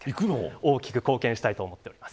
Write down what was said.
大きく貢献したいと思っています。